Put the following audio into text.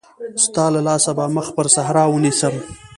ستا له لاسه به مخ پر صحرا ونيسم.